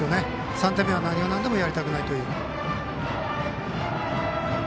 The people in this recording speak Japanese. ３点目は何がなんでもやりたくないと。